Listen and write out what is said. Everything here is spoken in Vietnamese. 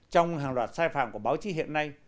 trong hàng loạt sai phạm của báo chí hiện nay